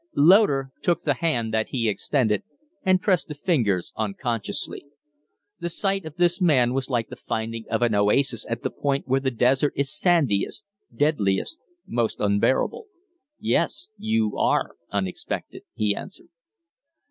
Loder took the hand that he extended and pressed the fingers unconsciously. The sight of this man was like the finding of an oasis at the point where the desert is sandiest, deadliest, most unbearable. "Yes, you are unexpected," he answered.